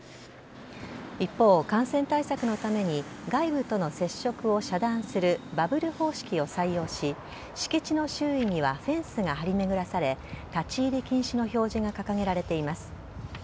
一方、感染対策のために外部との接触を遮断するバブル方式を採用し敷地の周囲にはフェンスが張り巡らされ立ち入り禁止の表示が掲げられています。